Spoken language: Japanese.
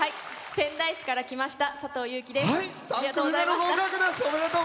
仙台市から来ましたさとうです。